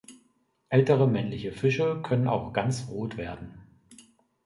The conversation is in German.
Ältere männliche Fische können auch ganz rot werden.